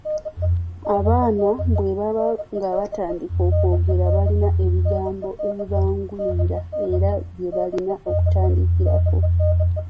Abaana bwe baba nga batandika okwogera balina ebigambo ebibanguyira era bye balina okutandikirako.